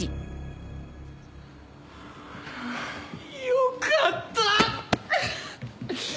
よかった。